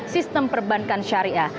sistem perbankan syariah